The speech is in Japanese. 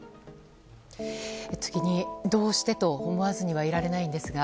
次に、どうしてと思わずにいられないんですが。